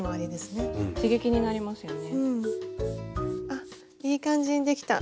あっいい感じにできた。